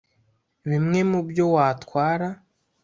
bimwe mu byo watwara